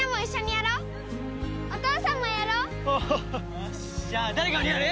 よしじゃあ誰が鬼やる？